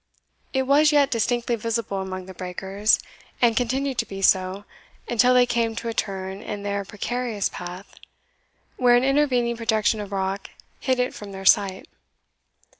It was yet distinctly visible among the breakers, and continued to be so, until they came to a turn in their precarious path, where an intervening projection of rock hid it from their sight.